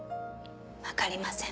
わかりません。